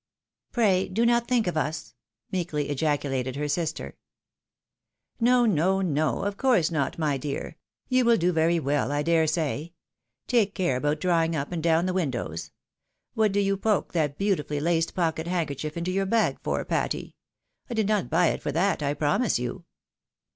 " Pray do not think of us !" meekly ejaculated her sister. " No, no, no, — of course not, my dear ; you will do very weU I dare say; take care about drawing up and down the windows. ^Vhat do you poke that beautifuUy laced pocket handkerchief into your bag for, Patty ? I did not buy it for that, I promise you."